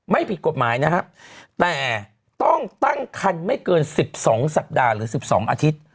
ไม่ผิดกฎหมายนะครับแต่ต้องตั้งคันไม่เกิน๑๒สัปดาห์หรือ๑๒อาทิตย์